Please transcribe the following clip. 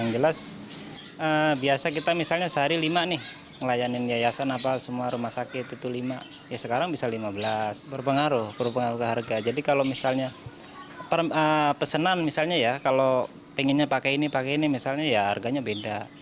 jadi kalau misalnya pesanan misalnya ya kalau pengennya pakai ini pakai ini misalnya ya harganya beda